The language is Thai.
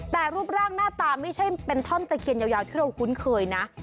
แต่รูปร่างหน้าตาไม่ใช่เป็นท่อนตะเคียนยาวที่เราคุ้นเคยนะ